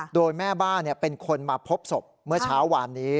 โดยแม่บ้านเป็นคนมาพบศพเมื่อเช้าวานนี้